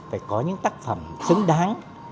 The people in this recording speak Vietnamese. phải có những tác phẩm xứng đáng